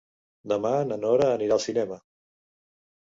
Demà na Nora anirà al cinema.